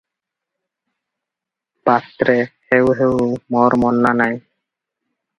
ପାତ୍ରେ- ହେଉ ହେଉ, ମୋର ମନା ନାହିଁ ।